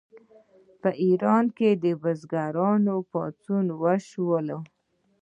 په ایران کې د بزګرانو پاڅونونه وشول.